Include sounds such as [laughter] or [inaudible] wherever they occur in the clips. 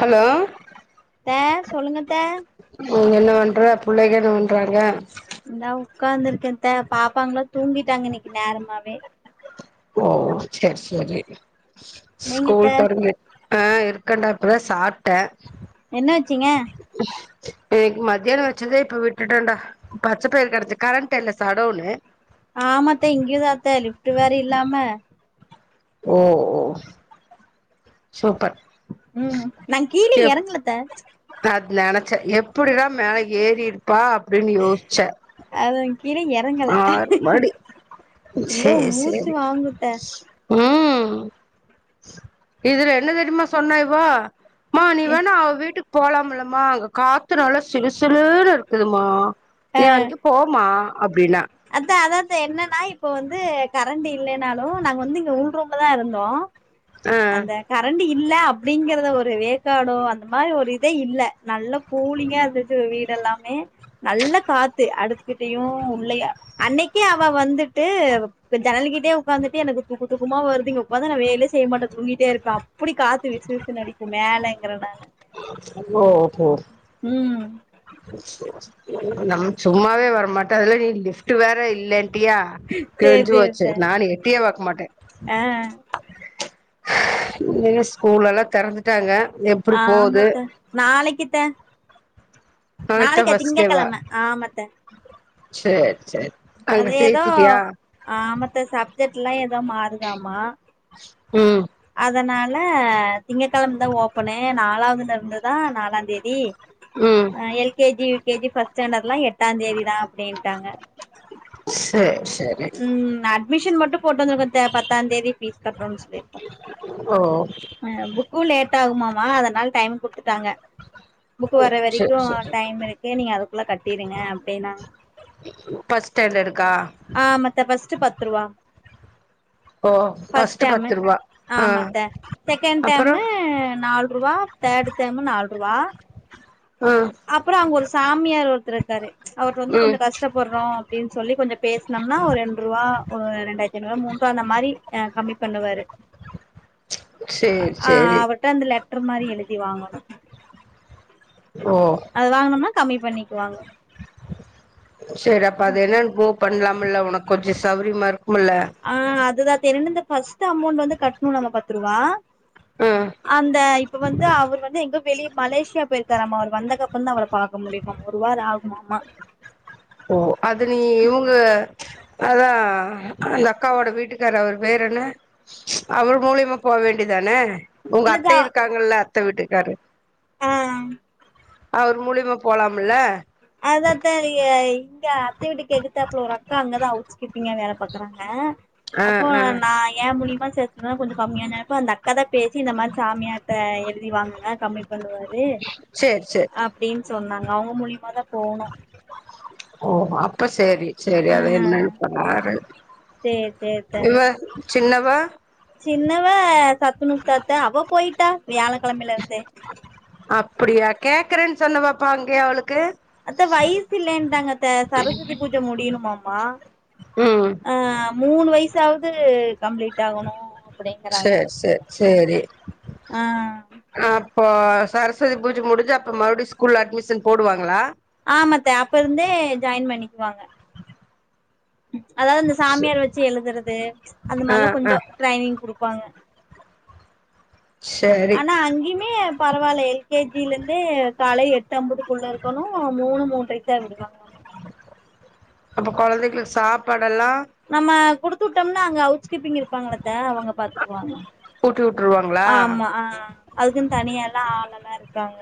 Hello த்த சொல்லுங்கத்த ம் என்ன வண் ற புள்ளைங்க என்ன வண்றாங்க இந்தா உக்காந்துருக்கன் த்த பாப்பாங்ளா தூங்கிட்டாங்க இன்னைக்கு நேரமாவே ஓ சேரி சேரி நீங்கத்த ஸ்கூல் தொடங் ஆஹ் இருக்கண்டா இப்பதா சாப்பிட்ட என்ன வெச்சீங்க க்கு மத்தியானோ வெச்சதே இப்ப விட்டுட்டுண்டா பச்சை பயிறு கடைஞ்ச கரண்ட் இல்ல சட்டோனு ஆமாத்த இங்கதாத்த இது வேற இல்லாம ஓ ஓ சூப்பர் ம் நா கீழ எறங்கலத்த நெனச்ச எப்படி தா மேல ஏறி ப்பா அப்டின்னு யோஸ்ச்ச அது கீழே இறங்கல ஆர் மடி ஐயோ சேர் மூச்சு சேரி வாங்குத்த ஆ இதுல என்ன தெரிமா சொன்னா இவா மா நீ வேணா அவ வீட்டுக் போலாம்லமா அங்க காத்து நல்லா சிலுசிலுன்னு இருக்குதுமா நீ அ அன்னைக்கு போமா அப்டின்னா தே என்னன்னா இப்ப வந்து கரண்ட் இல்லைனாலு நாங்க வந்து இங்க உள்ரூம்லதா இருந்தோ ஆ அந்த கரண்ட் இல் இல்ல அப்படிங்கறத ஒரு வேக்காடோ அந்த மாரி ஒரு இதே இல்ல நல்ல கூலிங்கா இருந்துச்சு வீடெல்லாமே நல்ல காத்து அடுப்புக்கிட்டயு உள்ளயா அன்னைக்கே அவ வந்துட்டு ஜன்னல்கிட்டயே உக்காந்துட்டு எனக்கு தூக்க தூக்கமா வருது இங்க உக்காந்தா நா வேலயே செய்ய மாட்ட தூங்கிட்டே இருப்ப அப்படி காத்து விசு விசு அடிக்கு மேலங்கிறனால ஓ ஓகே ஓகே ம் நம்ம சும்மாவே வரமாட்டே அதுல நீ கிஃப் ட்டு வேற இல்லேன்ட்டியா சேரி கிழிஞ்சு போச்சு சேரித்த நானு எட்டியே பாக்க மாட்டே ஆ இ ஸ்கூல் எல்லா தெறந்துட்டாங்க எப்டி போகுது ஆமாத்த நாளைக்கத்த நாளைக்கு தா நாளைக்கா திங்க கெழம ஆமத்த சேர் சேர் அது ஏதோ ஆமத்த சப்ஜெக்ட்ல்லா ஏதோ மாறுதாமா ம் அதனால திங்ககெழம தா ஓப் போனே நாலாதுலருந்து தான் நாலான் தேதி ம் ஆ L K G U K G first ஸ்டாண்டர்ட்லாம் எட்டாம் தேதிதா அப்டின்ட்டாங்க சேரி சேரி உம் அட்மிஷன் மட்டு போட்டு வந்து வந்டேன் பத்தாம் தேதி ஃபீஸ் கட்றோம் சொல்லிருக்கோம் ஓ ஆ புக்கும் லேட் டகுமாமா அதனால் டைம் குட் த்துட்டாங்க புக்கு வர சேரி வரைக்கும் த சேரி டைம் இருக்கு நீங்க அதுக்குள்ள கட்டிடுங்க அப்டின்னா ஃபஸ்ட் ஸ்டாண்டர்டுக்கா மத்த பஸ்ட்டு பத்து ருவா ஓ ஃபஸ்ட் ஃபஸ்ட்டு டேமு பத்து ரூபா ஆ ஆமாத்த செகண்ட் அப்பறோ டேமு நால் ஒருவா தேர்ட் டைம்மு நாலு ரூபா ஆ அப்பறம் அங்க ஒரு சா சாமியார் ஒருத்தரு இருக்காரு ச் அவர் வந்து ம் கொஞ்சம் கஷ்டப்பட்றோம் அப்படினு சொல்லி கொஞ்ச பேஸ்னம்னா ஒரு ரெண்டு ரூபா ஒரு இரண்டாயிரத்து ஐநூறு ரூபா மூன்ரூபா அந்த மாரி ஆஹ் கம்மி பண்ணுவாரு சேரி ஆஹ் சேரி அவர்ட்ட அந்த லெட்டர் மாரி எழுதி தி வாங்கனு ஓ சேரி அப்பா அது என்னனு போ பண்ணலாம்ல உனக்கு கொஞ்சம் சௌரியமா இருக் ஆஹ் அதுதான் [unintelligible] பஸ்ட்டு அமௌண்ட் வந்து கட்டணும் நம்ம பத்து ரூபா ஆ அந்த இப்ப வந்து அவர் வந்து எங்கோ வெளியே மலேசியா போயிருக்காரம்மா அவர் வந்தகப்பறம் தான் அவர பாக்க முடியுமாம் ஒருவார ஆகுமாமா ஓ அது நீ இவ்ங்க அதான் ஆ ஆஹ் அந்த அக்காவோட வீட்டு இருக்காரு அவர் பேர் என்ன ச் அவர் மூலியமா போ வேண்டிதானே உங்க அத்தை இருக்காங்கல்ல அத்த வீட்டுக்காரு ஆஹ் அவர் மூலிமா போலாமுல்ல அத அத்த லி இங்க அத்த வீட்டுக்கு எகுதுத்தாப்புள ஒரு அக்கா அங்கதான் ஹவுஸ் கீப்பிங்கா வேல பாக்குறாங்க ஆ அப்போ ஆ நான் ஏன் மூலியமா சேத்தானால கொஞ்சம் கம்மியானப்ப அந்த அக்காதா பேசி இந்த மாரி சாமியார்ட்ட எழுதி வாங்குங்க கம்மி பண்ணுவாரு சேரி சேரி அப்டின்னு சொன்னாங்க அவுங்க மூலியமாதா இ போணு ஓ அப்ப சேரி சேரி ஆ அத என்னன்னு பாரு சேரி சேரித்த இவ சின்னவ சின்னவ சத்துணூ சேத்தே அவ போய்ட்டா வியாழக்கிழமேல இருந்தே அப்டியா கேக்குறேன்னு சொன்ன பாப்பா அங்கயே அவளுக்கு அத்த வயசு இல்லைன்டாங்க அத்த சரஸ்வதி பூஜை முடியணும்மாம மா ம் மூணு வயசாவுது கம்ப்ளீட் ஆகணும் செர் செர் சேரி ஆ அப் இப்போ சரஸ்வதி பூஜ முடிஞ்சு அப்றம் மறுபுடி ஸ்கூல்ல அட்மிஷன் போடுவாங்ளா? ஆமாத்த அப்ப இருந்தே ஜாயின் பண்ணிக்வாங்க அதாது இந்த சாமியார் வச்சு எழுதுறது அந்த ஆ மார்ல்லாம் ஆ கொஞ்சம் ட்ரைனிங் குடுப்பாங்க சேரி ஆனா அங்கிமே பரவால்ல எல் கே ஜி ல இருந்தே காலை எட்டு ஐம்பதுக்குள்ள இருக்கணும் மூணு மூன்றைக் தா விடுவாங்கலாமா அப்ப கொழந்தைகளுக்கு சாப்பாடு டல்லா குடுத்தூட்டோம்னா அங்க அவுச் கீப்பிங் இருப்பாங்களத்த அவங்க பாத்துக்குவாங்க ஊட்டி விட்டுருவாங்களா ஆமா ஆஹ அதுக்குன்னு தனியா எல்லாம் ஆளல்லாம் இருக் காங்க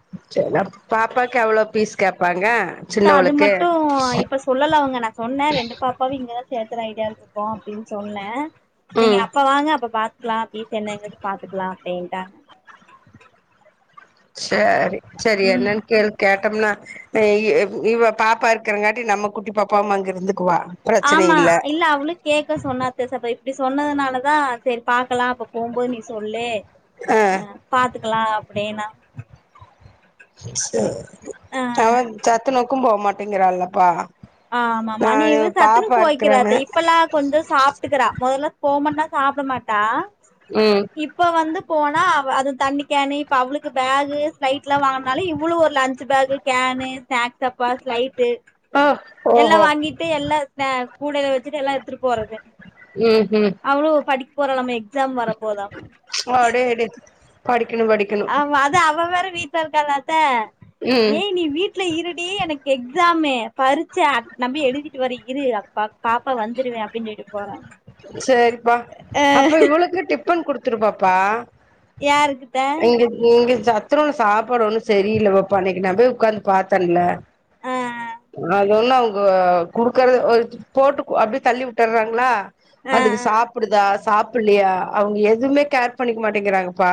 [unintelligible] பாப்பாக்கு எவ்ளோக் அத்த அது மட்டும் இப்ப சொல்லல அவ்ங்க நா சொன்ன ரெண்டு பாப்பாவும் இங்கதா சேத்துற ஐடியாலருக்கோம் அப்டின்னு சொன்னே நீங்க ம் அப்ப வாங்க அப்ப பாத் க்கலாம் பீஸ் என்னங்கிறது பாத்துக்கலாம் அப்டின்ட்டாங்க சேரி செரி ம் என்னனு கேள் கேட்டம்னா [unintelligible] இவ் இவ பாப்பா இருக்கிறங்காட்டி நம்ம குட்டி பாப்பாவு அங்க இருந்துக் ஆமா! இல்ல அவ்ளு கேட்க சொன்னாத்த [unintelligible] சொன்னதுனால தா செரி பாக் க்கலாம் அப்ப போம்போது நீ சொல்லு ஆ ஆஹ் பாத் த்துக்கலாம் அப்டினா செர் அவன் சத்துணவுக்கு போ மட் டேங்கிறங்கப்பா ஆமாமா நீ இவு சத்துணுவுக் இருக்கறானு வைக்கிறத்த இப்பெல்லாம் கொஞ்சம் சாப்ட்டுக்குறா மொதல்ல போ மாட்டா சாப்ட மாட் டா ம் இப்ப வந்து போனா அவ அது தண்ணிக் கேனு இப்ப அவ்ளுக்கு பேகு ஸ்லைட்லாம் வாங்கனால இவ்ளும் ஒரு லன்ச் பேக்கு கேனு ஸ்நாக்ஸ் டப்பா ஸ்லைட்டு ஆ எல்லாம் ஓஹோ வாங்கிட்டு எல்லாம் ஸ்னா கூடைல வச்சுட்டு எல்லாத் த்துட்டு போறது ம் ம் அவ்ளோ படிக் போறாலமே அடே அடே படிக்கணும் படிக் ஆமா அதா அவ வேற வீட்டுல இருக்காலக் த ம் ஏய் நீ வீட்டுல இருடி எனக்கு எ எக்ஸாமே பறிச்ச நம்பி எழுதிட்டு வர இரு பாப்பா வந்துருவேன் அப்படின்னு சொல்லிட்டு போறா சரிப்பா அ அப்ப இவளுக்கு டிஃபன் குடுத்துருப்பா பா யாருக்குத்த சத்துனோ சாப்பாடு ஓன்னு சரியில்ல பாப்பா அனைக்கி நா போய் உட்காந்து பா்த்தேல ஆ அது ஒண்ணு அவங்க குடுக்கறது போட்டு அப்படியே தள்ளி விட்டுர்றாங்களா ஆ அதுக்கு ஆ சாப்புடுதா சாப் பிடலையா அவங்க எதுவுமே கேர் பண்ணிக்க மாட்டேங்கிறாங்கப்பா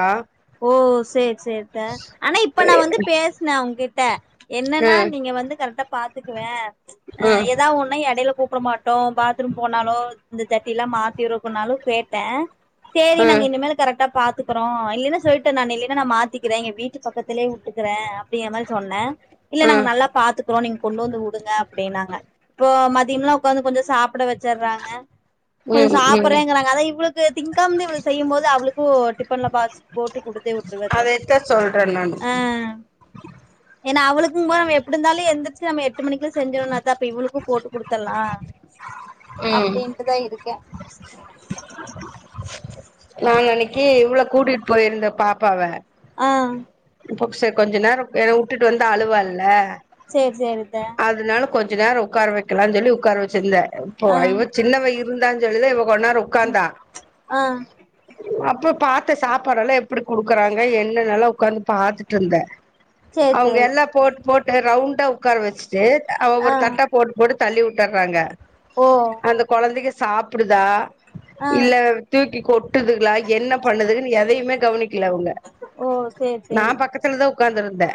ஓ செரி செரித்த ஆனா இப்ப நா வந்து பேசினேன் உங்ககிட்ட என்னன்னா ம் நீங்க வந்து கரெக்டா பாத்துக்குவ ஆ ம் ஏதாவது ஒண்ணு நா இடையில கூப்பிட மாட்டோம் பாத்ரூம் போனாலோ இந்த ஜட்டி எல்லா மாத்தி இருக்கும்னாலும் கேட்ட செரி நாங்க ம் இனிமேல் கரெக்டா பா இக்கறோம் இல்லன்னா சொல்லிட்டு நானு இல்லலைன்னா நா மாத்திக்கிறேன் எங்க வீட்டு பக்கத்திலயே விட்டுக்கறே அப்படிங்க மாரி சொன்னே இல்ல நாங்க ம் நல்லா பாத்துக் க்ரோனி கொண்டு வந்து விடுங்க அப்படின்னாங்க இப்ப மதியம்லா உட்காந்து கொஞ்சம் சாப்பிட வச்சறாங்க கொஞ்ச ம் ம் சாப்பிடுறேங்கிறாங்க அதா இவளுக்கு திங்காந்து இ்வள செய்யும் போது அவளுக்கும் டிஃபன்ல பாக்ஸ் போட்டு குடுத்தே விட்டுருவத்த அதத்தா சொல்றே நானு ஆ ஏன்னா அவளுக்கும் போ நம் எப்படி இருந்தாலு எந்திரச்சு நம்ம எட்டு மணிக்குள்ள செஞ்சோம்னா தா அப்ப இவளுக்கும் போட்டு கொடுத்தடலா ம் அப்படின்ட்டுதா இருக்கே நா அன்னைக்கு இவள கூட்டிட்டு போயிருந்தே பாப்பாவ ஆ சரி கொஞ்ச நேரம் விட்டுட்டு வந்த அழுவால்ல சேரி சேரித்த அதனால கொஞ்ச நேரம் உட்கார வைக்கலாம்னு சொல்லி உட்கார வச்சிருந்த இப்போ ஆ இவ சின்னவ இருந்தான்னு சொல்லித இவ கொன்னர உட்கார்ந்தா ஆ அப்ப பாத்த சாப்பாடு எல்லா எப்படி கொடுக்குறாங்க என்னென்னல்லா உட்காந்து பார்த்துட்டு இருந்தே சேரி அவங்க சேரி எல்லா போட்டு போட்டு ரவுண்ட உக்கார வச்சுட்டு அவ்வ ஆ ஒரு தட்ட போட்டு போட்டு தள்ளி உட்டறாங்க ஓ அந்த கொழந்தைக சாப்புடுதா ஆ இல்ல தூக்கிக் கொட்டுதுங்ளா என்ன பண்ணுதுக்குன்னு எதையுமே கவ்னிக் ஓ சேர் நா பக்கத்துல தா உக்காந்துருந்தே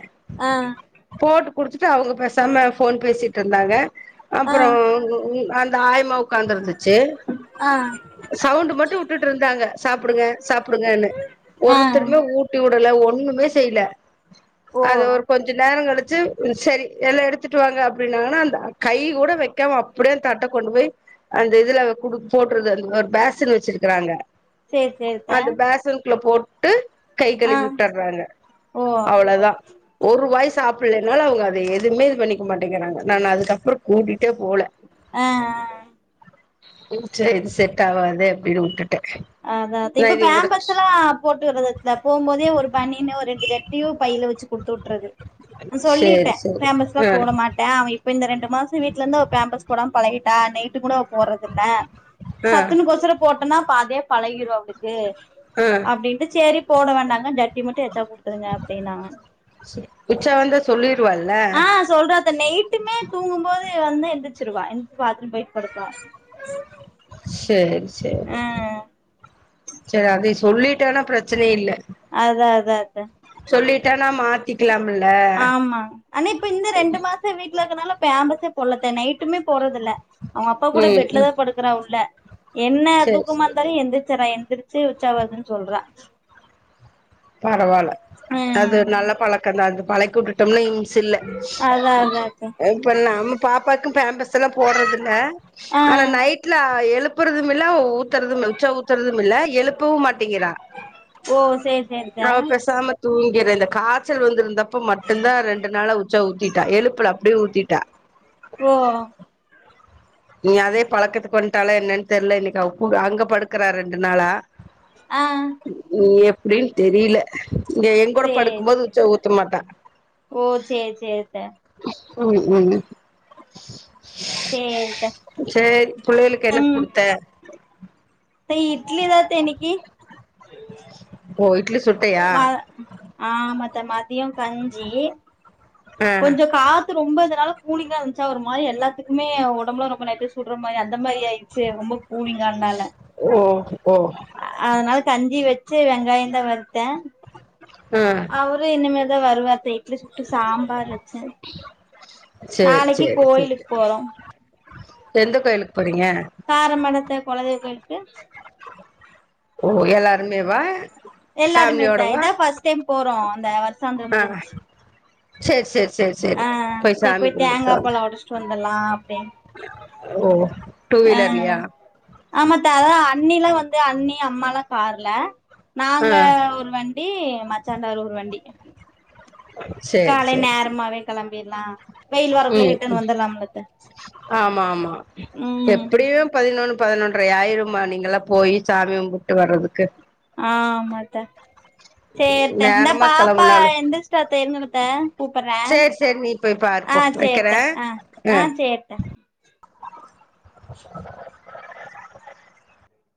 போட்டு குடுத்துட்டு அவுங்க பேசாம ஃபோன் பேசிட்ருந்தாங்க ஆ அப்புறோ உ உங் அந் த ஆயமா உக்காந்திருந்துச்சி ஆ சவுண்ட் மட்டு வுட்டுட்டு இருந்தாங்க சாப்புடுங்க சாப்புடுங்கனு ஆ ஒருத்தருமே ஊட்டி வுட் வுடல ஒன்னுமே செய்ல ஓ அது ஒரு கொஞ்ச நேரங் கழிச் சி செரி எல்லா எடுத்துட்டு வாங்க அப்டின்னாங்கன்னா அந்த கை கூட வெக்காம அப்புடே அந்த தட்டக் கொண்டு போய் அந்த இதுல குடு போட்டுறது அந்த ஒரு பேஸ்சின் வச்சிருக்கறாங்க சேரி சேரித்த அந்த பேசனுக்குள்ள போட் கை கழி ஆ விட்டற்றாங்க ஓ அவ்ளதா ஒரு ஒர் வாய் சாப்புல்லனால அவங்க அதே எதுவுமேது இது பண்ணிக்க மாட்டேங்கிறாங்க நானு அதுக்கப்புறோ கூட்டிட் ஆஹ்ஹன் சேர் செட் ஆவாது அப்டின்னு வுட்டுட் ஆஹ் அதாத் இப்ப பேம்பர்ஸ்ல்லா போட்டுவுட்றது இல்ல போம் போதே ஒரு பன்னியன்னு ஒரு ஜட்டியு பையில வச்சு குடுத்துவுட்றது ம் சொல்லிட்டே சேரி சேரி பேம்பர்ஸ்லா ஆ போட மாட்டே அவ இப் இப்ப இந்த ரெண்டு மாச வீட்லெ இருந்து அவப் பேம்பஸ் போடாம் பழகிட்டா நைட்டு கூட அவப் போட்றதில்ல ஆ சத்துனுக் கோசரப் போட்டனாப் அப்ப அதே பழகிரு அவ்ளுக்கு ஆ அப்டின்ட்டு சேரிப் போட வேண்டாங்க ஜட்டி மட்டு எடுத் ஸு உச்சா வந்தா சொல்லிருவாள் ஆஹ் சொல்றத்த நெய்ட்டுமே தூங்கும்போது வந்து எந்திர்த் ச்சிருவா எந்த் பாத்ரும் பொய்ட் படுப்பா சேரி செரி ஆ செரி அதேஷ் சொல்லிட்டானா பிரச்சனை இல்ல அதா அதா அதா சொல்லிட்டானா மாத்திக்கலாம் ஆமா ஆனா இப்ப இந்த ரெண்டு மாசோ வீ ட்லருக்றனால பேம்பர்ஸே போட்லத்த நைட்டுமே போறட்து ல்ல அவங்க அப்பா கூட ம் பெட்ல தா ம் படுக்கறா உள்ள என்ன சேரி தூக்கமா சேரி இர்ந்தாலு எந்திர்ச்சறே என் திருச்சி உச்சா வர்துன் சொல்றா பரவால்ல அது ம் நல்ல பழக்கந்தா அது பழக் கூட்டட்டும்னு [unintelligible] சில்ல அதா அதாத்த இப்ப நம்ம பாப்பாக்கு பேம்பர்ஸ்செல்லா போடறதில்ல ஆ ஆனா நைட்ல அ எழுப்பறது [unintelligible] ல்ல ஊத்தறதும் உச்சா ஊத்துறதுமில்ல எழுப்பவு மாட்டிங்கிறா ஓ சேரி சேரித்த அவ பேசாம தூங்கிர்றா இந்த காச்சல் வந்திருந்தப்ப மட்டுந்தா ரெண்டு நாளா உச்சா ஊத்திட்டா எழுப்பல அப்டியே ஊத்திட்டா ஓ இனி அதே பழக்கத்துக் வந்ட்டாளா என்னன் தெர்ல இன்னிக்கு அவ கூட அங்க படுக்கறா ரெண்டு நாளா ஆ இனி எப் ப்டின் தெரீல இங்க எங்கூட சேரி படுக்கும்போது உச்சா ஊத்தமாட்டா ஓ சேரி சேரித்த உம் உம் சேரித்த சேரி பிள்ளையளுக்கு என்னக் குடுத்த [inaudible] த இட்லி தா அத்த இன்னைக்கு போய் ம ஆமாத் த மதியோ கஞ்சி ஆ கொஞ்சோ காத் து ரொம்ப இதனால கூலிங்கா இருந்ச்சா ஒரு மாரி எல்லாத்துக்குமே ஒடம்புல்லா ரொம்ப லைட்டா சுட்ற மாரி அந்த மாரி ஆயிட்ச்சு ரொம்ப கூலிங்கா இர்ந்னால ஓ ஓ ச்சு வெங்காயந்தா வர் த்த ஆ அவுரு இன்னிமேல் தா வருவார்த்த இட்லி சுட்டு சாம்பார் வெச்சே நாளக்கி கோயிலுக் போறோம் எந்தக் கோயிலுக் காரமடத்த கொலதெய்வ கோயில்கு ஓ [unintelligible] எல்லாருமேவா எல்லாருமேத்த ஃபேமிலியோடவா இதான் ஃபஸ்ட்டைம் போறோம் அந்த வருஷந்தம் முடிஞ்சி ச்சேர் ச்சேர் ஆஹ் சேர் போய்த் தேங்கா பலோ ஒடச்ட்டு வந்த் துர்லாம் ஓ டூவீலர்லயா ஆமாத்தா அதான் அண்ணிலாம் வந்து அண்ணி அம்மாலாம் கார்ல ஆ நாங்க ஒருவண் டி மச்சாந்தாரு ஒரு வண்டி காலை நேரமாவே கெளம் பீர்லா உம் ஆமா ஆமா ம் எப்டியோ பதினொன் பதினொன்ரையாயிரும்மா நீங்கலாம் போயி சாமி கும்புட்டு வர்றதுக்கு ஆஹ் ஆமாத்த சேர்த்த இந்தா நேரமா பாப்பா கெளம்புனாலு எந்திர்ச்ட்டாத்த இருங்கத்தக் கூப்புறேன் சேரி சேரி நீ போய் பாரு போ ஆஹ் வைக்கிறே சேர்த்த அஹ் ஆ ஆஹ் சேர்த்த